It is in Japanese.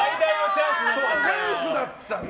チャンスだったんだよ。